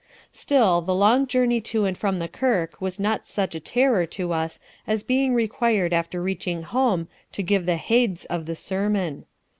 "Still, the long journey to and from the kirk was not such a terror to us as being required after reaching home to give the 'heids' of the sermon.